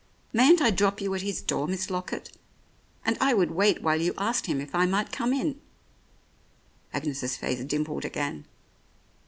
"Mayn't I drop you at his door, Miss Lockett, and I would wait while you asked him if I might come in?" Agnes's face dimpled again.